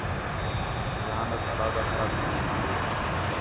ذہانت علیحدہ خراب پئی تِھین٘دی ہِے